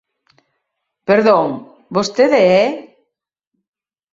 Perdón, vostede é?